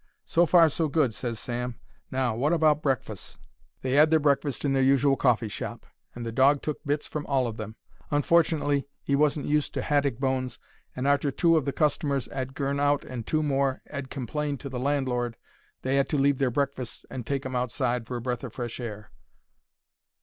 "So far so good," ses Sam; "now, wot about brekfuss?" They 'ad their brekfuss in their usual coffeeshop, and the dog took bits from all of them. Unfortunately, 'e wasn't used to haddick bones, and arter two of the customers 'ad gorn out and two more 'ad complained to the landlord, they 'ad to leave their brekfusses and take 'im outside for a breath o' fresh air.